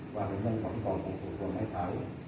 và bệnh nhân vẫn còn tùy phục của máy thở